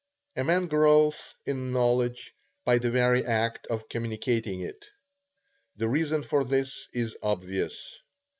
A man grows in knowledge by the very act of communicating it. The reason for this is obvious.